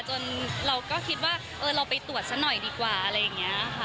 เราก็คิดว่าเออเราไปตรวจซะหน่อยดีกว่าอะไรอย่างนี้ค่ะ